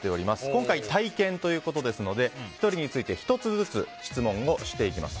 今回、体験ということですので１人につき１つずつ質問をしていきます。